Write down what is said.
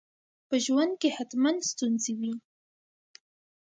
په ژوند کي حتماً ستونزي وي.